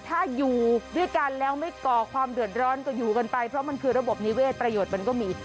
ถ้าอยู่ด้วยกันแล้วไม่ก่อความเดือดร้อนก็อยู่กันไปเพราะมันคือระบบนิเวศประโยชน์มันก็มี